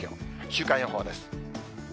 週間予報です。